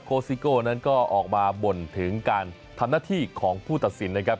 ซิโก้นั้นก็ออกมาบ่นถึงการทำหน้าที่ของผู้ตัดสินนะครับ